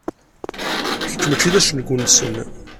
Kečč mačči d acengu-nsen.